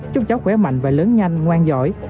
chúc cháu khỏe mạnh và lớn nhanh ngoan giỏi